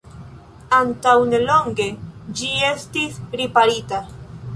Antaŭnelonge ĝi estis riparita.